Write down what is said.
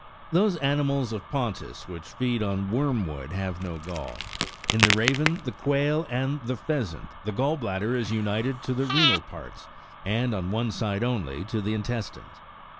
Those animals of Pontus which feed on . wormwood have no gall : in the raven, the quail, and the pheasant, the gall bladder is united to the renal parts, and, on one side only, to the intestines.